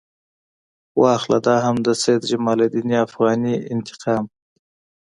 واخله دا هم د سید جمال الدین افغاني انتقام.